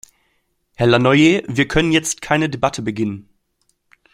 Herr Lannoye, wir können jetzt keine Debatte beginnen.